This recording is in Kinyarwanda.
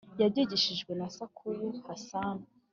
yabyigishijwe na Sakubu Hassan,